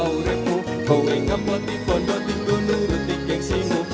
kau uremmu kowe ngambo tipon do tinggo nuruti gengsi mu